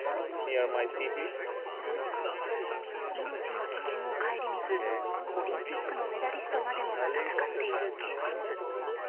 命の危険を顧みずオリンピックのメダリストまでもが戦っている現実。